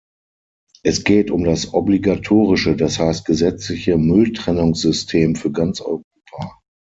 Es geht um das obligatorische das heißt gesetzliche Mülltrennungssystem für ganz Europa.